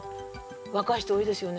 若い人多いですよね。